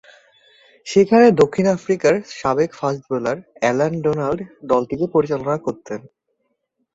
সেখানে দক্ষিণ আফ্রিকার সাবেক ফাস্ট বোলার অ্যালান ডোনাল্ড দলটিকে পরিচালনা করতেন।